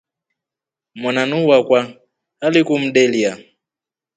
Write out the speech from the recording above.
Mwananu wakwa alikumdelye.